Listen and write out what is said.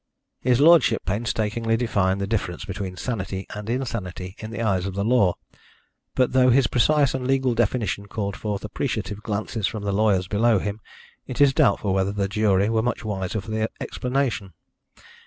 His lordship painstakingly defined the difference between sanity and insanity in the eyes of the law, but though his precise and legal definition called forth appreciative glances from the lawyers below him, it is doubtful whether the jury were much wiser for the explanation.